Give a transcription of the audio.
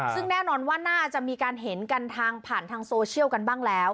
ซึ่งแน่นอนว่าน่าจะมีการเห็นกันทางผ่านทางโซเชียลกันบ้างแล้ว